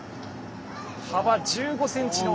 幅１５ｃｍの。